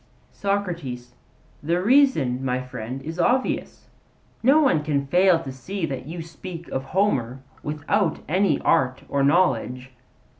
SOCRATES: The reason, my friend, is obvious. No one can fail to see that you speak of Homer without any art or knowledge.